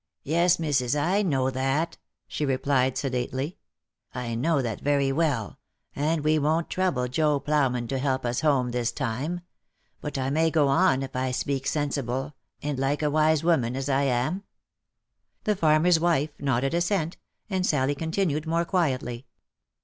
" Yes, mississ, I know that," she replied, sedately, " I know that very well, and we won't trouble Joe ploughman to help us home this time ; but I may go on, if I speak sensible, and like a wise woman, as I am ?" The farmer's wife nodded assent, and Sally continued more quietly.